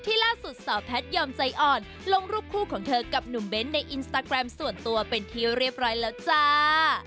ล่าสุดสาวแพทยอมใจอ่อนลงรูปคู่ของเธอกับหนุ่มเบ้นในอินสตาแกรมส่วนตัวเป็นที่เรียบร้อยแล้วจ้า